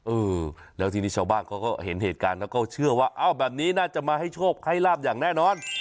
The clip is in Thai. เออแล้วทีนี้ชาวบ้านเขาก็เห็นเหตุการณ์แล้วก็เชื่อว่าอ้าวแบบนี้น่าจะมาให้โชคให้ลาบอย่างแน่นอน